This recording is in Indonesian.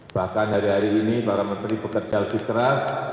bahkan hari hari ini para menteri bekerja lebih keras